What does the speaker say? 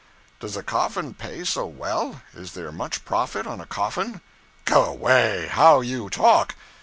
'Does a coffin pay so well. Is there much profit on a coffin?' 'Go way! How you talk!'